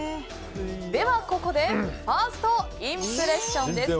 では、ここでファーストインプレッションです。